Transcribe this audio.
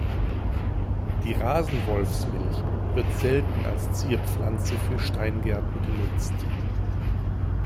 Die Rasen-Wolfsmilch wird selten als Zierpflanze für Steingärten genutzt.